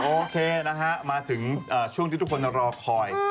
โอเคนะฮะมาถึงช่วงที่ทุกคนรอคอย